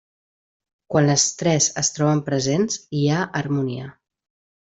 Quan les tres es troben presents, hi ha harmonia.